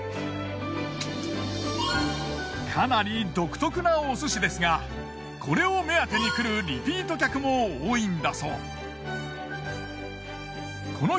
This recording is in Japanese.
かなり独特なお寿司ですがこれを目当てに来るリピート客も多いんだそう。